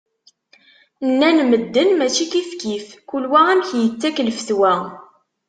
Nnan medden mačči kifkif, kul wa amek yettak lfetwa.